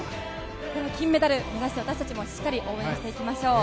金メダル目指して私たちもしっかり応援していきましょう。